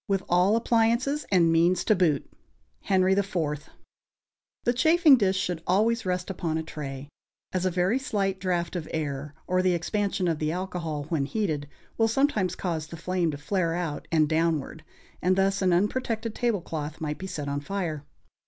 = With all appliances and means to boot. HENRY IV., iii. I. The chafing dish should always rest upon a tray, as a very slight draught of air, or the expansion of the alcohol when heated, will sometimes cause the flame to flare out and downward, and thus an unprotected tablecloth might be set on fire.